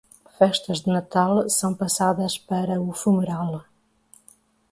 Festas de Natal são passadas para o fumeral.